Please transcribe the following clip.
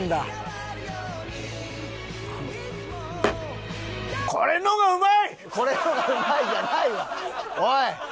おい！